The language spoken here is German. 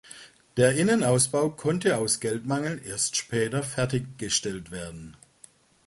Der Innenausbau konnte aus Geldmangel erst später fertiggestellt werden.